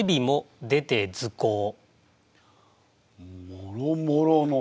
「もろもろの」。